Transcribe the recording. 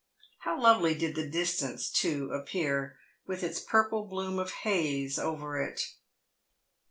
How lovely did the distance too appear, with its purple bloom of haze over it.